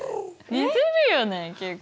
似てるよね結構。